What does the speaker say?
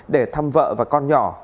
để thăm vợ và con nhỏ